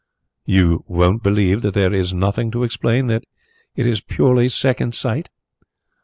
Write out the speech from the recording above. "You won't believe that there is nothing to explain that it was purely second sight?"